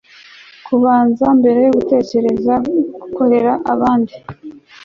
kubanza mbere yo gutekereza gukorera abandi